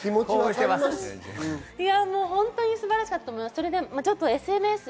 素晴らしかったと思います。